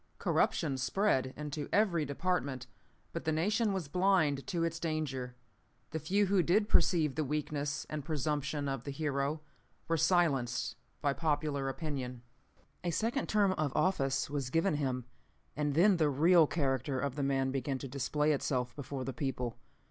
"Corruption spread into every department, but the nation was blind to its danger. The few who did perceive the weakness and presumption of the hero were silenced by popular opinion. "A second term of office was given him, and then the real character of the man began to display itself before the people.